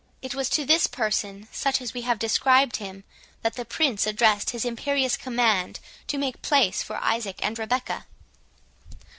It was to this person, such as we have described him, that the Prince addressed his imperious command to make place for Isaac and Rebecca.